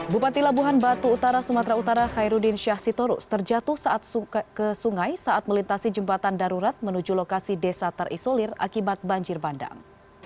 bupati labuhan batu utara sumatera utara khairudin syah sitorus terjatuh saat ke sungai saat melintasi jembatan darurat menuju lokasi desa terisolir akibat banjir bandang